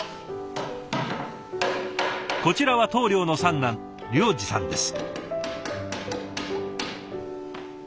こちらは棟梁の三男亮二さんです。